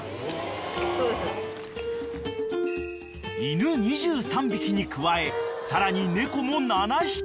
［犬２３匹に加えさらに猫も７匹］